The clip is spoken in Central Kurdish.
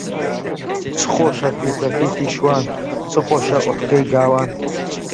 چ خۆشە فیتەفیتی شوان، چ خۆشە ئوحەکەی گاوان